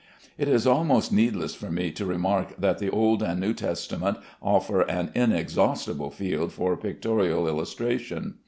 It is almost needless for me to remark that the Old and New Testament offer an inexhaustible field for pictorial illustration.